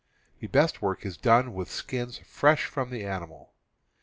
The best work is done with skins fresh from the animal.